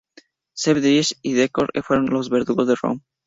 Sepp Dietrich y Theodor Eicke fueron los verdugos de Röhm.